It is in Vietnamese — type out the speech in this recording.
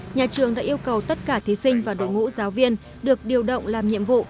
nhà trường đã yêu cầu tất cả thí sinh và đội ngũ giáo viên được điều động làm nhiệm vụ